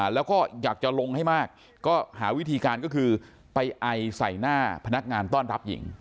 แล้วก็อยากจะลงให้มากก็หาวิธีการก็คือไปไอใส่หน้าพนักงานต้อนรับหญิง